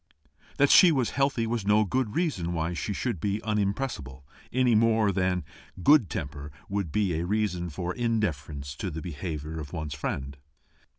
That she was healthy was no reason why she should be unimpressible, any more than that good temper should be a reason for indifference to the behaviour of one's friend.